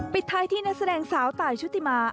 ปิดท้ายที่นักแสดงสาวตายชุติมา